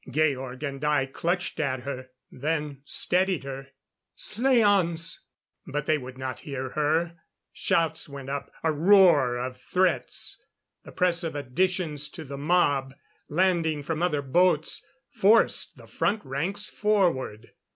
Georg and I clutched at her, then steadied her. "Slaans " But they would not hear her. Shouts went up; a roar of threats. The press of additions to the mob landing from other boats, forced the front ranks forward.